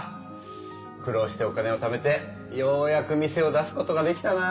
苦労してお金をためてようやく店を出すことができたなぁ。